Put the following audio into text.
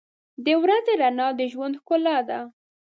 • د ورځې رڼا د ژوند ښکلا ده.